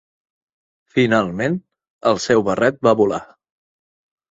Finalment, el seu barret va volar.